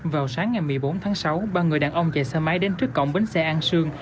vào sáng ngày một mươi bốn tháng sáu ba người đàn ông chạy xe máy đến trước cổng bến xe an sương